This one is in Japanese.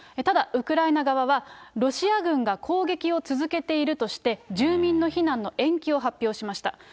ただ、ウクライナ側は、ロシア軍が攻撃を続けているとして、住民の避難の延期を発表しました。